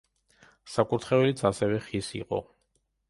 საკურთხეველიც ასევე ხის იყო.